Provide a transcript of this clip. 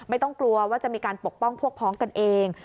ไม่ต้องกลัวว่าจะมีการปกป้องพวกพ้องกันเอง